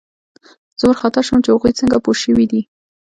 زه وارخطا شوم چې هغوی څنګه پوه شوي دي